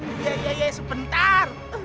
iya iya iya sebentar